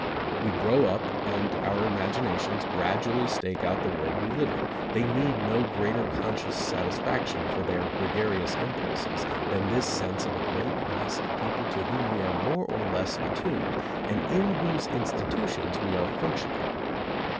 We grow up and our imag inations gradually stake out the world we live in, they need no greater conscious satisfaction for their gregarious impulses than this sense of a great mass of people to whom we are more or less at tuned, and in whose institutions we are function ing.